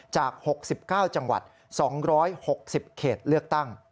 จาก๖๙จังหวัด๒๖๐เขตเลือกตั้ง